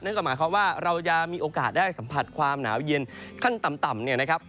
ก็หมายความว่าเราจะมีโอกาสได้สัมผัสความหนาวเย็นขั้นต่ำเนี่ยนะครับ